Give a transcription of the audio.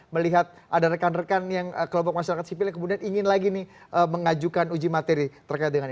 melihat ada rekan rekan yang kelompok masyarakat sipil yang kemudian ingin lagi nih mengajukan uji materi terkait dengan ini